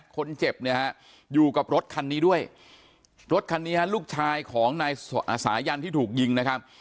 คนเจ็บเนี่ยฮะอยู่กับรถคันนี้ด้วยรถคันนี้ฮะลูกชายของนายสายันที่ถูกยิงนะครับ